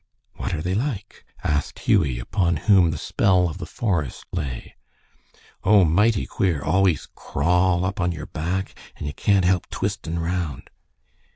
"What are they like?" asked Hughie, upon whom the spell of the forest lay. "Oh, mighty queer. Always crawl up on your back, and ye can't help twistin' round."